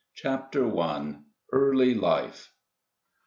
CHAPTER I. EARLY LIFE.